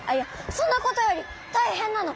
そんなことよりたいへんなの。